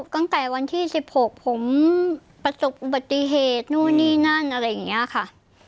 ตั้งแต่วันที่๑๖ผมประสบอุบัติเหตุนู่นนี่นั่นอะไรอย่างนี้ค่ะ